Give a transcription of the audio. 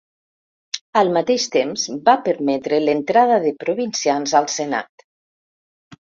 Al mateix temps, va permetre l'entrada de provincians al senat.